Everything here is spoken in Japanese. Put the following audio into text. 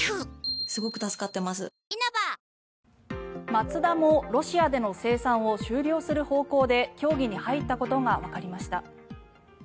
マツダもロシアでの生産を終了する方向で協議に入ったことがわかりました。